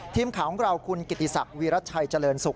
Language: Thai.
ทีมข่าวของเราคุณกิติศักดิรัชชัยเจริญสุข